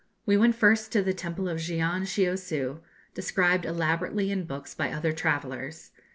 We went first to the temple of Gion Chiosiu, described elaborately in books by other travellers.